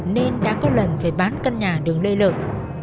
nên đã có lần phải bán căn nhà đường lê lợi